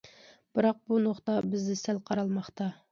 بىراق بۇ نۇقتا بىزدە سەل قارالماقتا.